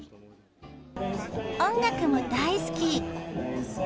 音楽も大好き。